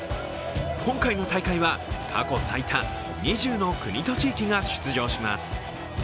今回の大会は過去最多２０の国と地域が出場します。